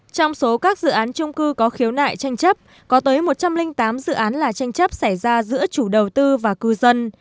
trong số các dự án trung cư có khiếu nại tranh chấp có tới một trăm linh tám dự án là tranh chấp xảy ra giữa chủ đầu tư và cư dân